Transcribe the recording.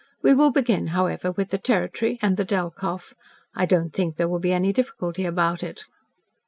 We will begin, however, with the territory, and the Delkoff. I don't think there will be any difficulty about it."